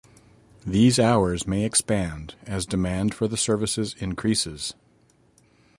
These hours may expand as demand for the services increases.